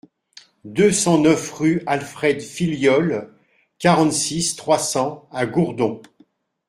deux cent neuf rue Alfred Filliol, quarante-six, trois cents à Gourdon